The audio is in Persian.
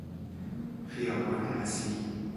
خیابان اصلی